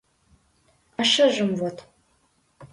А шыжым вот...